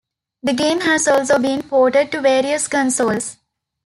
The game has also been ported to various consoles.